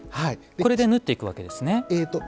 これで縫っていくわけですね。